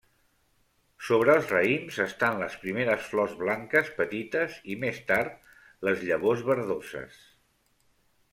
Sobre els raïms estan les primeres flors blanques petites, i més tard les llavors verdoses.